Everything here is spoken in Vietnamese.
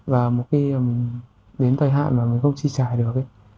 và một khi đến thời hạn mà mình không chi trải được